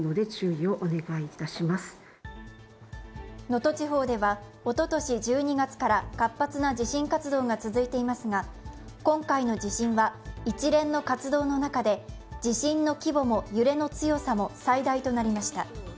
能登地方ではおととし１２月から活発な地震活動が続いていますが今回の地震は一連の活動の中で地震の規模も揺れの強さも最大となりました。